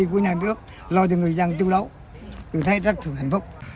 chúng tôi đã bảo ông khanh chúng tôi đã bảo ông khanh